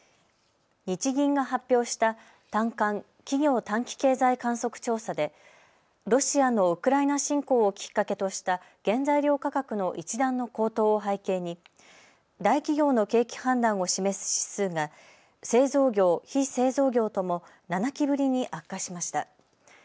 日銀が発表した短観・企業短期経済観測調査でロシアのウクライナ侵攻をきっかけとした原材料価格の一段の高騰を背景に大企業の景気判断を示す指数が製造業、非製造業とも７期ぶりに悪化しました。